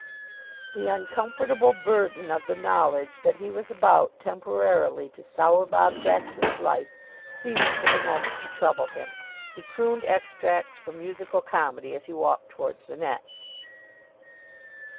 The uncomfortable burden of the knowledge that he was about temporarily to sour Bob Jackson's life ceased for the moment to trouble him. He crooned extracts from musical comedy as he walked towards the nets.